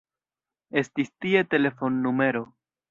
Estis tie telefonnumero.